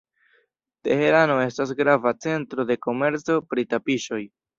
Teherano estas grava centro de komerco pri tapiŝoj.